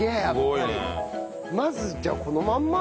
まずじゃあこのまんま。